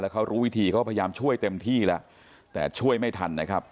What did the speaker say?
เขารู้วิธีเขาพยายามช่วยเต็มที่แล้วแต่ช่วยไม่ทันนะครับ